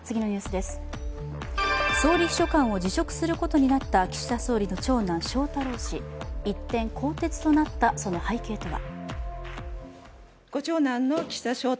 総理秘書官を辞職することになった岸田総理の長男・翔太郎氏、一転、更迭となったその背景とは？